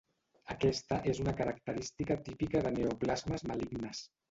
Aquesta és una característica típica de neoplasmes malignes.